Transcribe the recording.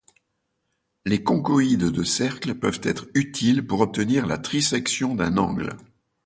Les conchoïdes de cercle peuvent être utiles pour obtenir la trisection d'un angle.